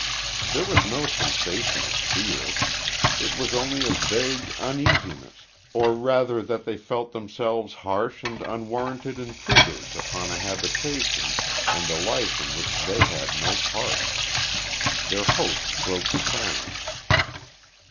There was no sensation of fear. It was only a vague uneasiness, or rather that they felt themselves harsh and unwarranted intruders upon a habitation and a life in which they had no part. Their host broke the silence.